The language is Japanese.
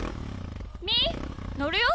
みーのるよ。